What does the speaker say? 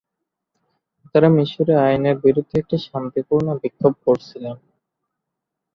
তারা মিশরের আইনের বিরুদ্ধে একটি শান্তিপূর্ণ বিক্ষোভ করছিলেন।